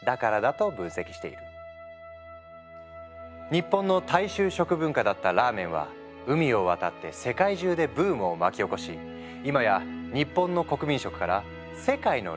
日本の大衆食文化だったラーメンは海を渡って世界中でブームを巻き起こし今や日本の国民食から世界のＲＡＭＥＮになっている。